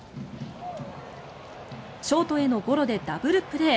ショートへのゴロでダブルプレー。